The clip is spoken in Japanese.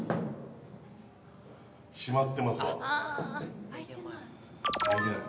閉まってますわ。